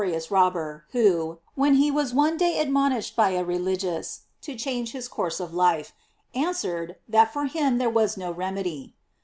ious robber, who, when he was one day admon ished by a religious to change his course of life, answered, that for him there was no remedy.